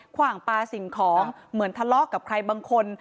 ขวางปลาสิ่งของเหมือนทะเลาะกับใครบางคน